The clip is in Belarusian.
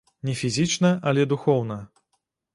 Не фізічна, але духоўна.